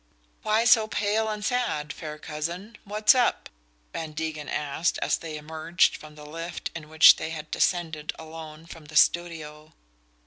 "Why so pale and sad, fair cousin? What's up?" Van Degen asked, as they emerged from the lift in which they had descended alone from the studio.